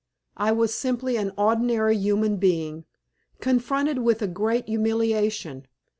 I was simply an ordinary human being, confronted with a great humiliation.